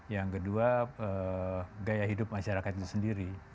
yang kedua gaya hidup masyarakat itu sendiri